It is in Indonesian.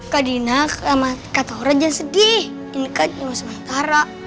kak dina kata orang jangan sedih ini kan cuma sementara